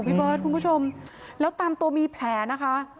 พี่เบิร์ดคุณผู้ชมแล้วตามตัวมีแผลนะคะ